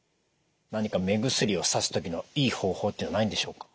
何か目薬をさす時のいい方法っていうのはないんでしょうか？